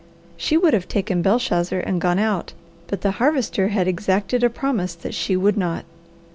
She would have taken Belshazzar and gone out, but the Harvester had exacted a promise that she would not.